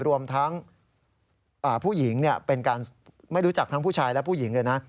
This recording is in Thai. รวมทั้งผู้หญิงไม่รู้จักทั้งผู้ชายและผู้หญิง